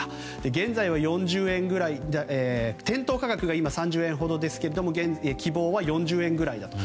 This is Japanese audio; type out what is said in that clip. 現在は店頭価格が今、３０円ほどですが希望は４０円くらいだと。